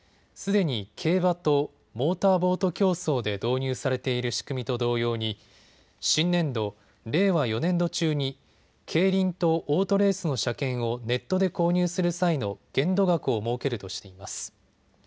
すでに競馬とモーターボート競走で導入されている仕組みと同様に新年度・令和４年度中に競輪とオートレースの車券をネットで購入する際の限度額を設けるとしています。